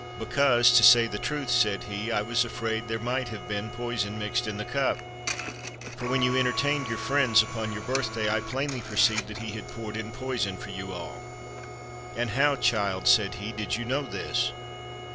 " Because, to say the truth," said he, " I was afraid there might have been poison mixed in the cup; for, when you entertained your friends upon your birthday, I plainly perceived that he had poured in poison for you all." " And how, child," said he, " did you know this?"